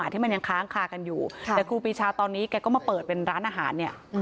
ที่มันยังค้างคากันอยู่แต่ครูปีชาตอนนี้แกก็มาเปิดเป็นร้านอาหารเนี่ย